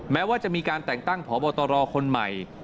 แม้ว่าจะมีการแต่งตั้งพบตรคนใหม่